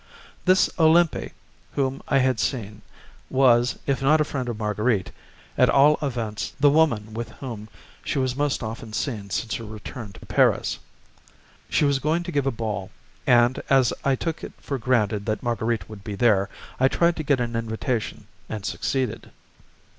This Olympe whom I had seen was, if not a friend of Marguerite, at all events the woman with whom she was most often seen since her return to Paris. She was going to give a ball, and, as I took it for granted that Marguerite would be there, I tried to get an invitation and succeeded.